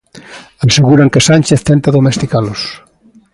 Aseguran que Sánchez tenta domesticalos.